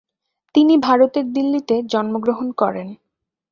তিনি ভারতের দিল্লিতে জন্মগ্রহণ করেন।